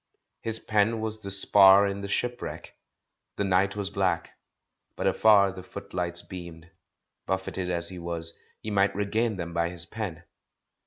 His pen was the spar in the shipwreck. The night was black, but afar the footlights beamed. Buffeted as he was, he might regain them by his pen.